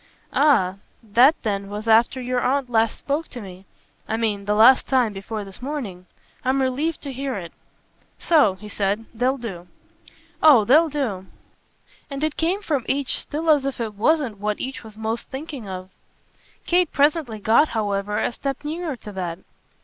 "Ah that then was after your aunt last spoke to me I mean the last time before this morning. I'm relieved to hear it. So," he said, "they'll do." "Oh they'll do." And it came from each still as if it wasn't what each was most thinking of. Kate presently got however a step nearer to that.